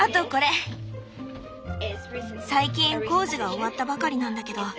最近工事が終わったばかりなんだけど電話もできたの。